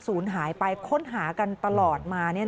ศูนย์หายไปค้นหากันตลอดมา